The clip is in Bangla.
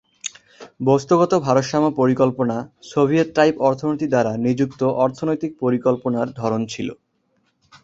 বস্তুগত ভারসাম্য পরিকল্পনা সোভিয়েত-টাইপ অর্থনীতি দ্বারা নিযুক্ত অর্থনৈতিক পরিকল্পনার ধরন ছিল।